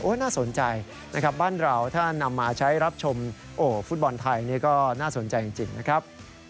น่าสนใจนะครับบ้านเราถ้านำมาใช้รับชมฟุตบอลไทยนี่ก็น่าสนใจจริงนะครับ